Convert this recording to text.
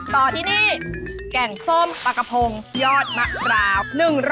ต่อที่นี่แกงส้มปลากระพงยอดมะพร้าว๑๐๐